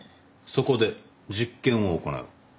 そこで実験を行う。